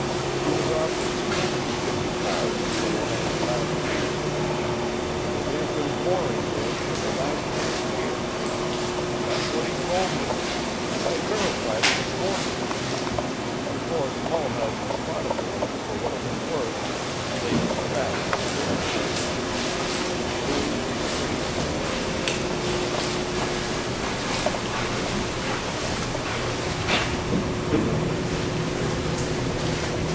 He was offered two hundred and fifty thousand for the land last week, they have been boring there for the last half year,' that's what he told me, and I verified it this morning. Of course Mulhausen spotted the land for what it was worth, and laid his trap for this fool." Jones restrained his emotions with an effort, not knowing in the least his relationship to the violent one. Mr. Collins made it clear.